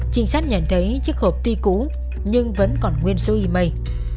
trinh sát nhận thấy chiếc hộp tuy cũ nhưng vẫn còn nguyên số email